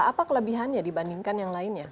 apa kelebihannya dibandingkan yang lainnya